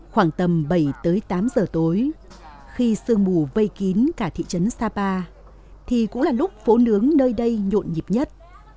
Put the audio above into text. khoảng tầm bảy tới tám giờ tối khi sương mù vây kín cả thị trấn sapa thì cũng là lúc phố nướng nơi đây nhộn nhịp nhất